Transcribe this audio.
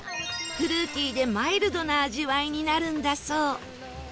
フルーティーでマイルドな味わいになるんだそう